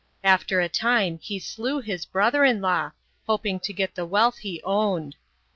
After a time he slew his brother in law, hoping to get the wealth he owned.